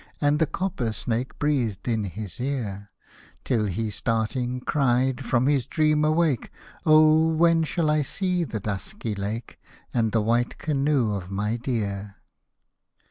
And the copper snake breathed in his ear, Till he starting cried, from his dream awake, *' Oh ! when shall I see the dusky Lake, And the white canoe of my dear